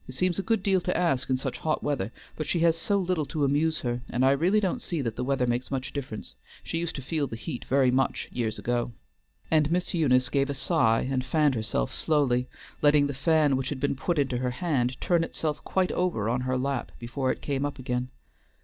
It seems a good deal to ask in such hot weather, but she has so little to amuse her, and I really don't see that the weather makes much difference, she used to feel the heat very much years ago." And Miss Eunice gave a sigh, and fanned herself slowly, letting the fan which had been put into her hand turn itself quite over on her lap before it came up again.